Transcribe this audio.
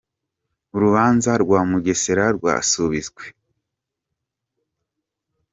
Urubanza rwa Mugesera rwasubitswe